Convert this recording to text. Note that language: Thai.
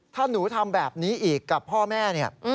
ถ้าหนูทำแบบนี้อีกกับพ่อแม่เนี่ย